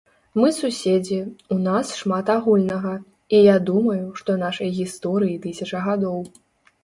Мы суседзі, у нас шмат агульнага, і я думаю, што нашай гісторыі тысяча гадоў.